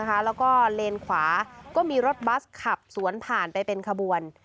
แล้วก็เลนขวาก็มีรถบัสขับสวนผ่านไปเป็นขบวน